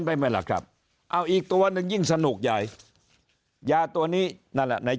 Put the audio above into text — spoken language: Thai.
ได้ไหมล่ะครับเอาอีกตัวหนึ่งยิ่งสนุกใหญ่ยาตัวนี้นั่นแหละใน